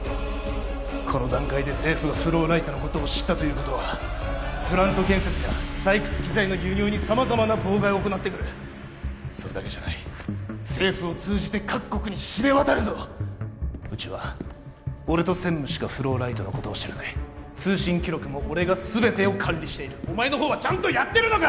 この段階で政府がフローライトのことを知ったということはプラント建設や採掘器材の輸入に様々な妨害を行ってくるそれだけじゃない政府を通じて各国に知れ渡るぞうちは俺と専務しかフローライトのことを知らない通信記録も俺が全てを管理しているお前の方はちゃんとやってるのか！